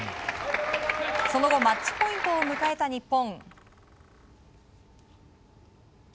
その後マッチポイントを迎えた日本。